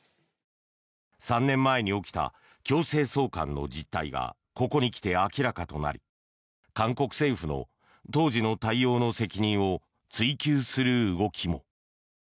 ３年前に起きた強制送還の実態がここに来て明らかとなり韓国政府の当時の対応の責任を追及する動きも。